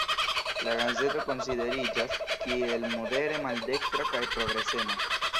La gazeto konsideriĝas kiel modere maldekstra kaj progresema.